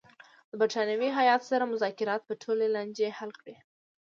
د برټانوي هیات سره مذاکرات به ټولې لانجې حل کړي.